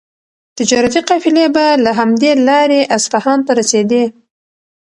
تجارتي قافلې به له همدې لارې اصفهان ته رسېدې.